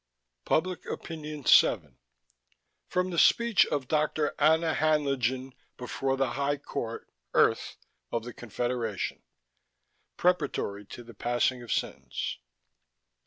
PUBLIC OPINION SEVEN From the speech of Dr. Anna Haenlingen Before the High Court (Earth) of the Confederation Preparatory to the Passing of Sentence